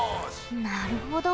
なるほど。